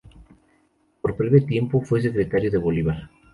Por breve tiempo fue secretario de Bolívar.